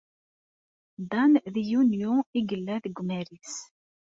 Dan, di yunyu i yella deg umaris.